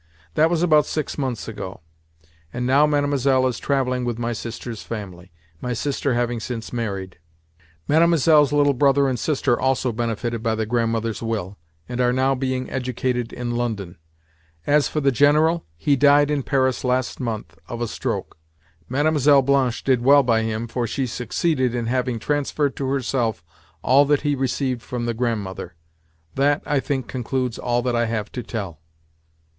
That was about six months ago, and now Mlle. is travelling with my sister's family—my sister having since married. Mlle.'s little brother and sister also benefited by the Grandmother's will, and are now being educated in London. As for the General, he died in Paris last month, of a stroke. Mlle. Blanche did well by him, for she succeeded in having transferred to herself all that he received from the Grandmother. That, I think, concludes all that I have to tell."